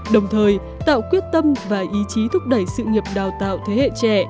đồng thời tạo quyết tâm và ý chí thúc đẩy sự nghiệp đào tạo thế hệ trẻ